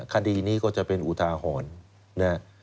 คดีนี้ก็จะเป็นอุทาหรณ์